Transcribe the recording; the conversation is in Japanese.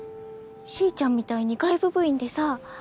しーちゃんみたいに外部部員でさ。